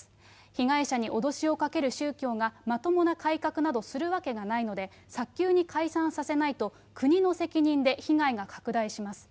被害者に脅しをかける宗教がまともな改革などするわけがないので、早急に解散させないと国の責任で被害が拡大します。